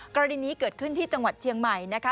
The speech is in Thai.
กรณีนี้เกิดขึ้นที่จังหวัดเชียงใหม่นะคะ